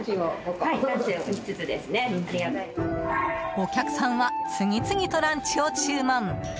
お客さんは次々とランチを注文。